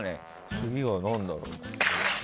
次は何だろう。